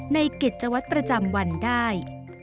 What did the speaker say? ในกิจวัตรประจำวันได้